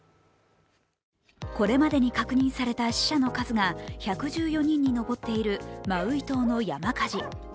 これまでに確認された死者の数が１１４人に上っているマウイ島の山火事。